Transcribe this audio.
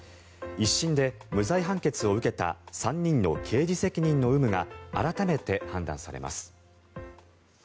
１審で無罪判決を受けた３人の刑事責任の有無が改めて判断されます。